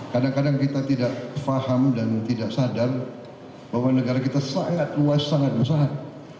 kadang kadang kita tidak paham dan tidak sadar bahwa negara kita sangat luas sangat besar